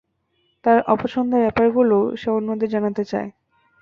তার অপছন্দের ব্যাপারগুলো সে অন্যদের জানাতে চায়।